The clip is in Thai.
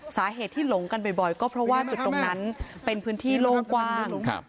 สาเหตุที่หลงกันบ่อยก็เพราะว่าจุดตรงนั้นเป็นพื้นที่โล่งกว้าง